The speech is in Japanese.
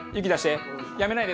やめないで。